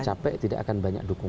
capek nanti banyak